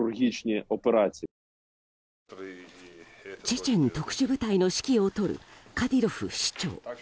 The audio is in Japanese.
チェチェン特殊部隊の指揮を執るカディロフ首長。